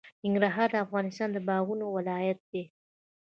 ننګرهار د افغانستان د باغونو ولایت دی.